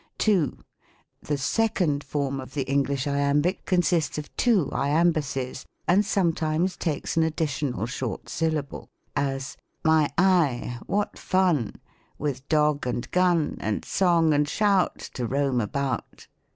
2. Tlie second form of the English Iambic consists of two Iambuses, and sometimes takes an additional short syllable : as, '' My eye, what fun. With dog and gun, And song and shout, To roam about